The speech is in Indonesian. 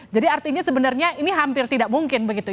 jadi artinya sebenarnya ini hampir tidak mungkin begitu